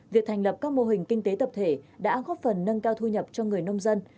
việc thành lập các mô hình kinh tế tập thể đã góp phần nâng cao thu nhập cho người nông dân